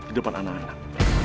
di depan anak anak